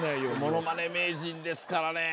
モノマネ名人ですからね。